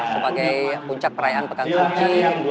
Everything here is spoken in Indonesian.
sebagai puncak perayaan pekan suci dua ribu dua puluh tiga